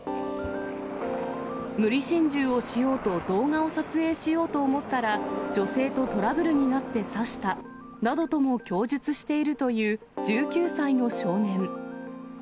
無理心中をしようと動画を撮影しようと思ったら、女性とトラブルになって刺したなどとも供述しているという１９歳の少年。